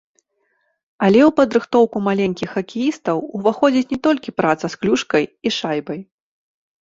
Але ў падрыхтоўку маленькіх хакеістаў уваходзіць не толькі праца з клюшкай і шайбай.